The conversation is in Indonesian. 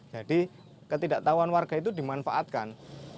jadi ketidaktahuan warga itu dimanfaatkan